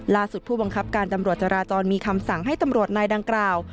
ผู้บังคับการตำรวจจราจรมีคำสั่งให้ตำรวจนายดังกล่าว